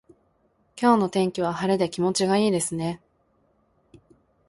今日の天気は晴れで気持ちがいいですね。